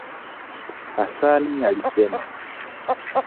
Hasani alisema